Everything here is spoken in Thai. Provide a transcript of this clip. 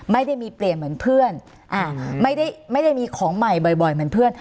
ไม่ได้มีเปลี่ยนเหมือนเพื่อนไม่ได้ไม่ได้มีของใหม่บ่อยเหมือนเพื่อน